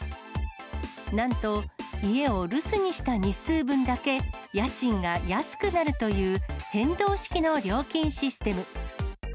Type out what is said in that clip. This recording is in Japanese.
なんと、家を留守にした日数分だけ家賃が安くなるという変動式の料金システム。